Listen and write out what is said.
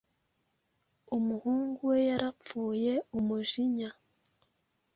Umuhungu we yarapfuye umujinya